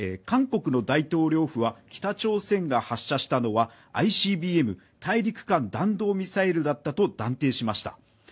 韓国の大統領府は北朝鮮が発射したのはＩＣＢＭ＝大陸間弾道ミサイルだったと断定しました。